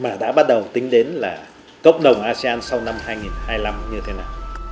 và đã bắt đầu tính đến là cộng đồng của asean sau năm hai nghìn hai mươi năm như thế nào